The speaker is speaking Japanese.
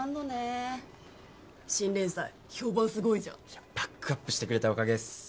・いやバックアップしてくれたおかげです。